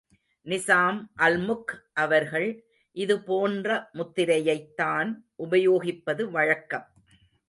நிசாம் அல்முக் அவர்கள் இது போன்ற முத்திரையைத்தான் உபயோகிப்பது வழக்கம்.